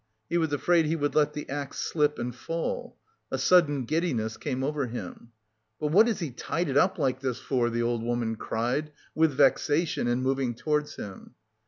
He was afraid he would let the axe slip and fall.... A sudden giddiness came over him. "But what has he tied it up like this for?" the old woman cried with vexation and moved towards him.